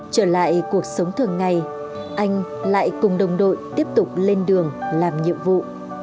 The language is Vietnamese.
trở lại cuộc sống thường ngày anh lại cùng đồng đội tiếp tục lên đường làm nhiệm vụ